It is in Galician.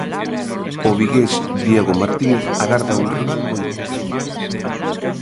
O vigués Diego Martínez agarda un rival moi intenso.